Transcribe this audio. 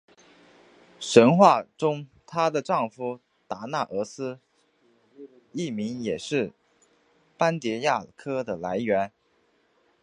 神话中她的丈夫达那俄斯一名也是斑蝶亚科的来源。